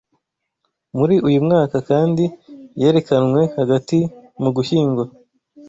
muri uyu mwaka kandi yerekanwe hagati mu Gushyingo